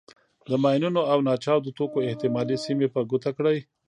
د ماینونو او ناچاودو توکو احتمالي سیمې په ګوته کړئ.